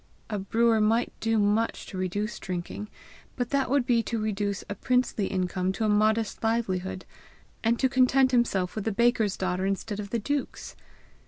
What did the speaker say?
A brewer might do much to reduce drinking; but that would be to reduce a princely income to a modest livelihood, and to content himself with the baker's daughter instead of the duke's!